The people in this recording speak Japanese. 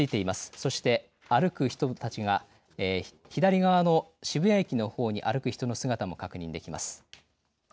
そして左側の渋谷駅のほうに歩く人の姿も確認できます。